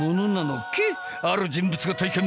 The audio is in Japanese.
ある人物が体験。